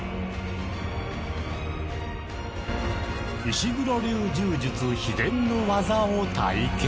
石黒流柔術秘伝の技を体験。